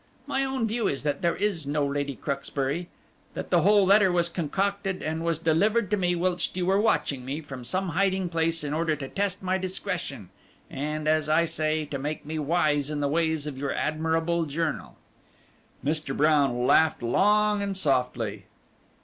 My own view is that there is no Lady Cruxbury, that the whole letter was concocted and was delivered to me whilst you were watching me from some hiding place in order to test my discretion, and, as I say, to make me wise in the ways of your admirable journal." Mr. Brown laughed long and softly.